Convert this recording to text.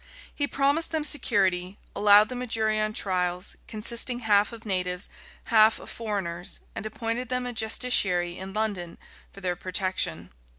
He promised them security; allowed them a jury on trials, consisting half of natives, half of foreigners; and appointed them a justiciary in London for their protection.